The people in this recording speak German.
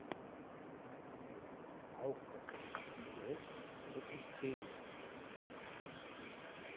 Auch das Dichten selbst ist häufig Thema.